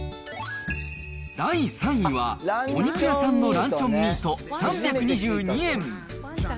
第３位は、お肉屋さんのランチョンミート３２２円。